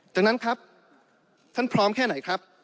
จากนั้นครับท่านพร้อมแค่ไหนครับ